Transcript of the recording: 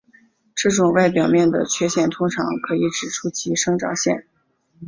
这种外表面的缺陷通常可以指出其生长线。